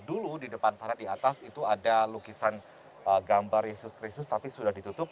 dulu di depan sana di atas itu ada lukisan gambar yesus kristus tapi sudah ditutup